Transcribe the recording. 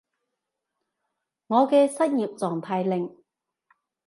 我嘅失業狀態令